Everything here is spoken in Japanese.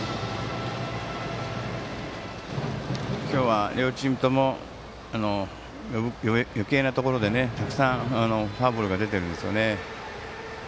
今日は両チームとも余計なところでたくさんフォアボールが出ているんですよね。